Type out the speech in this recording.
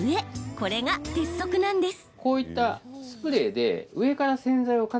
これが鉄則なんです。